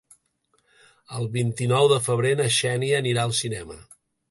El vint-i-nou de febrer na Xènia anirà al cinema.